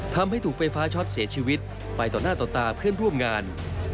ทำให้ถูกไฟฟ้าช็อตเสียชีวิตไปต่อหน้าต่อตาเพื่อนร่วมงาน